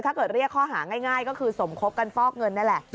ถ้าเกิดเรียกข้อหาง่ายก็คือสมคบกันฟอกเงินนั่นแหละ